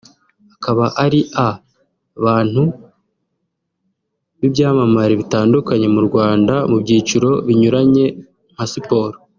akaba aria bantu b’ibyamamare bitandukanye mu Rwanda mu byiciro binyuranye nka siporo